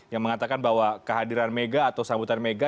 yang mengatakan bahwa kehadiran mega atau sambutan mega